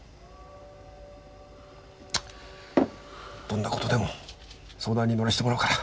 どんなことでも相談に乗らせてもらうから。